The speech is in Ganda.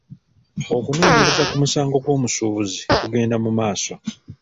Okunoonyereza ku musango gw’omusuubuzi kugenda mu maaso.